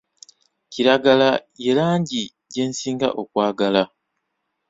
Kiragala ye langi gye nsinga okwagala.